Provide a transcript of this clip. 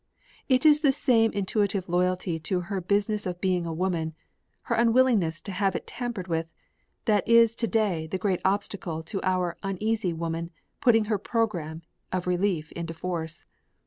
It is this same intuitive loyalty to her Business of Being a Woman, her unwillingness to have it tampered with, that is to day the great obstacle to our Uneasy Woman putting her program of relief into force.